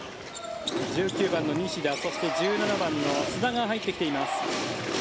１９番の西田そして、１７番の須田が入ってきています。